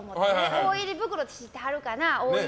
大入り袋って知ってはるかな？